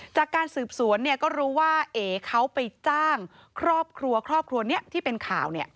จากการสืบสวนก็รู้ว่าเอ๋เขาไปจ้างครอบครัวครอบครัวนี้ที่เป็นข่าว